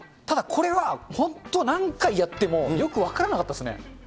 ただ、これは本当、何回やってもよく分からなかったですね。